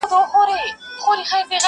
نه ستا زوی سي تر قیامته هېرېدلای؛؛!